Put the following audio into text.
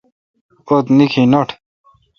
اُتھ نیکھ نٹ۔